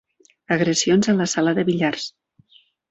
Agressions a la sala de billars.